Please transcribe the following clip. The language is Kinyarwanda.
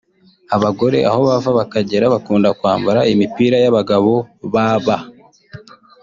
Abagore aho bava bakagera bakunda kwambara imipira y’abagabo baba